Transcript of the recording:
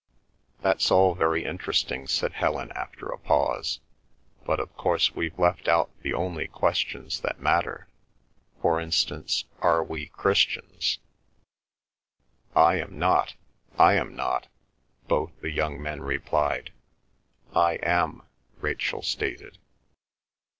"That's all very interesting," said Helen after a pause. "But of course we've left out the only questions that matter. For instance, are we Christians?" "I am not," "I am not," both the young men replied. "I am," Rachel stated.